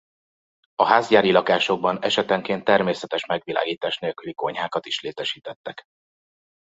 A házgyári lakásokban esetenként természetes megvilágítás nélküli konyhákat is létesítettek.